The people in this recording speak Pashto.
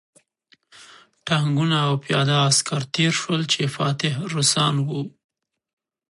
ټانکونه او پیاده عسکر تېر شول چې فاتح روسان وو